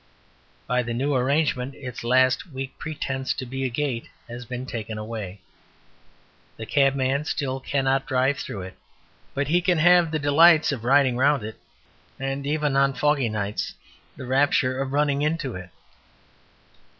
By the new arrangement its last weak pretence to be a gate has been taken away. The cabman still cannot drive through it, but he can have the delights of riding round it, and even (on foggy nights) the rapture of running into it.